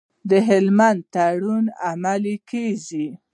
د هلمند تړون عملي کیږي؟